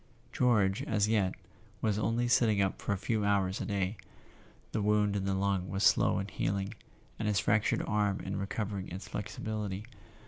George, as yet, was only sitting up for a few hours a day; the wound in the lung was slow in healing, and his fractured arm in recovering its flexibility.